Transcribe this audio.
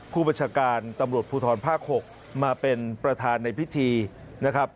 ผู้บัญชาการตำรวจภูทรภาค๖มาเป็นประธานในพิธีนะครับ